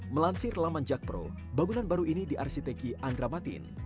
melansir laman jakpro bangunan baru ini diarsiteki andramatin